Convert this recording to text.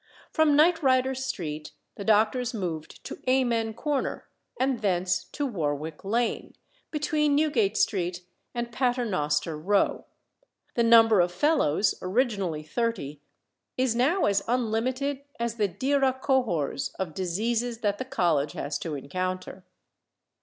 From Knightrider Street the doctors moved to Amen Corner, and thence to Warwick Lane, between Newgate Street and Paternoster Row. The number of fellows, originally thirty, is now as unlimited as the "dira cohors" of diseases that the college has to encounter.